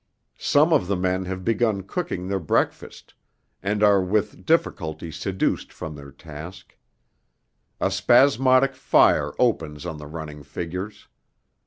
Some of the men have begun cooking their breakfast, and are with difficulty seduced from their task. A spasmodic fire opens on the running figures.